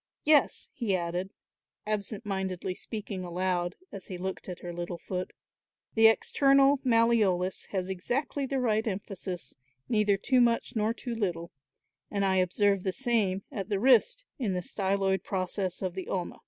Yes," he added, absent mindedly speaking aloud, as he looked at her little foot, "the external malleolus has exactly the right emphasis, neither too much nor too little, and I observe the same at the wrist in the styloid process of the ulna.